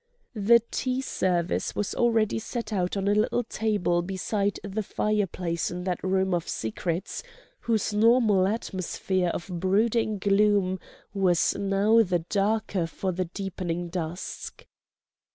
The tea service was already set out on a little table beside the fireplace in that room of secrets, whose normal atmosphere of brooding gloom was now the darker for the deepening dusk.